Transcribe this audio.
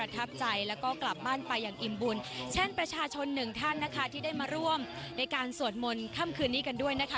ที่ได้มาร่วมในการสวดมนต์ข้ามคืนนี้กันด้วยนะคะ